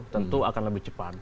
tentu akan lebih cepat